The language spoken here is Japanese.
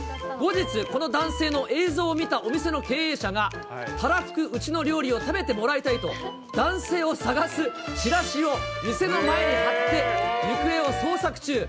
後日、この男性の映像を見たお店の経営者が、たらふくうちの料理を食べてもらいたいと、男性を捜すチラシを店の前に貼って、行方を捜索中。